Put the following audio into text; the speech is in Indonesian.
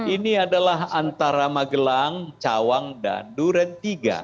ini adalah antara magelang cawang dan duren tiga